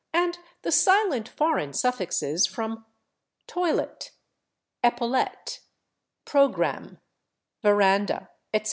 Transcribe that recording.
and the silent foreign suffixes from /toilette/, /epaulette/, /programme/, /verandah/, etc.